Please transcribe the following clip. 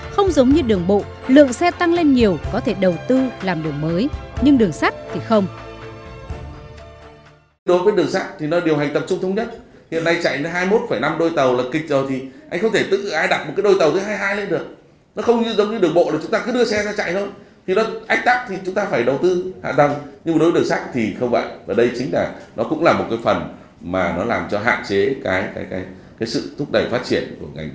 không giống như đường bộ lượng xe tăng lên nhiều có thể đầu tư làm đường mới nhưng đường sắt thì không